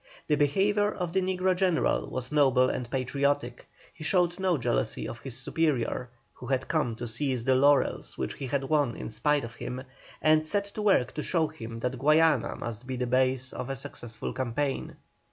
The behaviour of the negro general was noble and patriotic. He showed no jealousy of his superior, who had come to seize the laurels which he had won in spite of him, and set to work to show him that Guayana must be the base of a successful campaign.